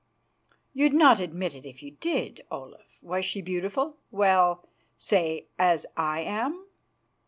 "You'd not admit it if you did, Olaf. Was she beautiful, well, say as I am?"